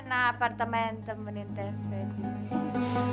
nah apartemen temenin teh febi